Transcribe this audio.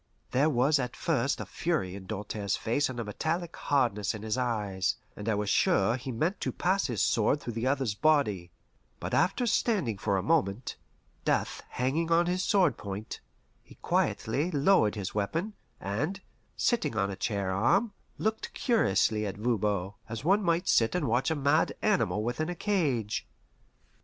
There was at first a fury in Doltaire's face and a metallic hardness in his eyes, and I was sure he meant to pass his sword through the other's body; but after standing for a moment, death hanging on his sword point, he quietly lowered his weapon, and, sitting on a chair arm, looked curiously at Voban, as one might sit and watch a mad animal within a cage.